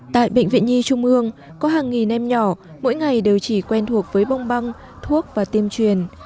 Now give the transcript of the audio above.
tại bệnh viện nhi trung ương có hàng nghìn em nhỏ mỗi ngày đều chỉ quen thuộc với bông băng thuốc và tiêm truyền